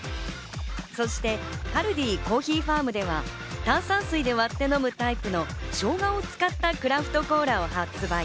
そしてカルディコーヒーファームでは、炭酸水で割って飲むタイプのショウガを使ったクラフトコーラを発売。